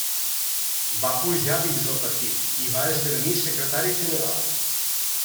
Va pujar dins el partit i va esdevenir secretari general.